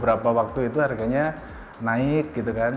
beberapa waktu itu harganya naik gitu kan